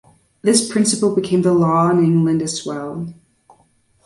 This principle became the law in England as well.